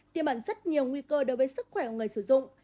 tiêm ẩn rất nhiều nguy cơ đối với sức khỏe của người sử dụng